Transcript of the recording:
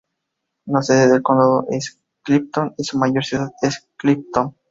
La sede del condado es Clifton, y su mayor ciudad es Clifton.